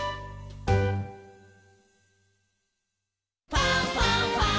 「ファンファンファン」